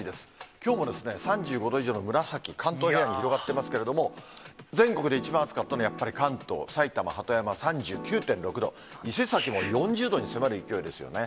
きょうもですね、３５度以上の紫、関東平野に広がっていますけれども、全国で一番暑かったのは、やっぱり関東、埼玉・鳩山３９．６度、伊勢崎も４０度に迫る勢いですよね。